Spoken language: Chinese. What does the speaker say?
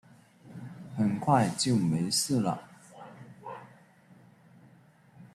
很快就没事了